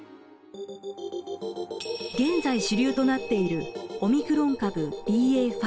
現在主流となっているオミクロン株ＢＡ．５。